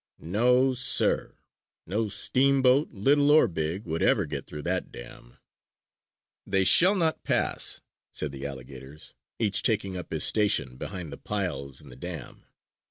No, sir! No steamboat, little or big, would ever get through that dam! "They shall not pass!" said the alligators, each taking up his station behind the piles in the dam.